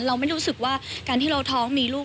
เราไม่รู้สึกว่าการที่เราท้องมีลูก